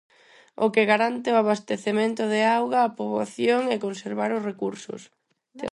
O que garante o abastecemento de auga á poboación é conservar os recursos.